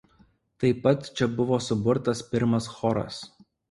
Taip pat čia buvo suburtas pirmas choras.